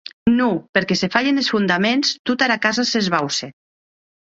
Non, perque se falhen es fondaments, tota era casa s'esbauce.